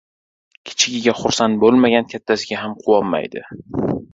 • Kichigiga xursand bo‘lmagan kattasiga ham quvonmaydi.